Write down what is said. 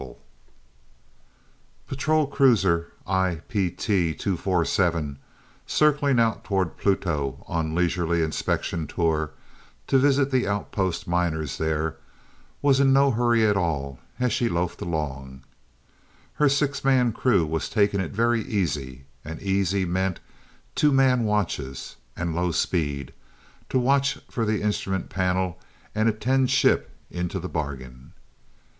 I Patrol Cruiser "IP T 247" circling out toward Pluto on leisurely inspection tour to visit the outpost miners there, was in no hurry at all as she loafed along. Her six man crew was taking it very easy, and easy meant two man watches, and low speed, to watch for the instrument panel and attend ship into the bargain.